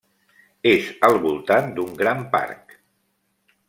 És al voltant d'un gran parc.